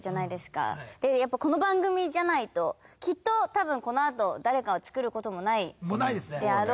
やっぱこの番組じゃないときっとたぶんこのあと誰かが作ることもないであろう。